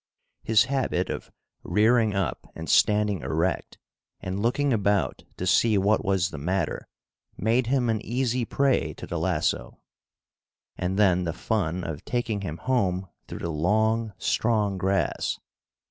His habit of rearing up and standing erect and looking about to see what was the matter made him an easy prey to the lasso. And then the fun of taking him home through the long, strong grass!